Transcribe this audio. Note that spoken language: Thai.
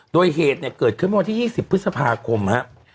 โดยเหตุเนี่ยเกิดขึ้นเมื่อวันที่๒๐พฤษภาคมครับ